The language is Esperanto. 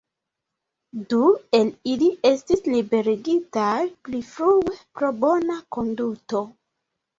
Du el ili estis liberigitaj pli frue pro bona konduto.